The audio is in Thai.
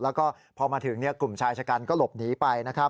แล้วก็พอมาถึงกลุ่มชายชะกันก็หลบหนีไปนะครับ